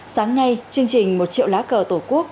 sáng nay chương trình một triệu lá cờ tổ quốc